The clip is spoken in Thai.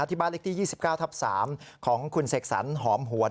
ที่บ้านเล็กที่๒๙ทับ๓ของคุณเสกสรรหอมหวน